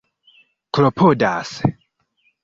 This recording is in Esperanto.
klopodas